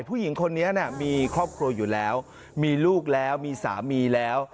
ผู้หญิงคนนี้มีครอบครัวอยู่แล้วมีลูกแล้วมีสามีแล้ว